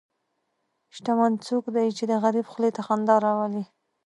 شتمن څوک دی چې د غریب خولې ته خندا راولي.